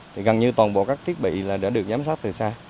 thì gần như toàn bộ các thiết bị là đã được giám sát từ xa